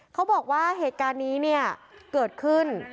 เขาบอกว่าเหตุการณ์นี้เนี่ยเกิดขึ้น